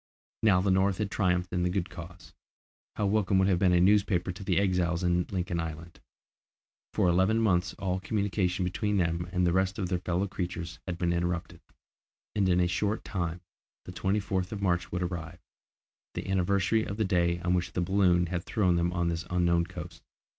Now the North had triumphed in the good cause, how welcome would have been a newspaper to the exiles in Lincoln Island! For eleven months all communication between them and the rest of their fellow creatures had been interrupted, and in a short time the 24th of March would arrive, the anniversary of the day on which the balloon had thrown them on this unknown coast.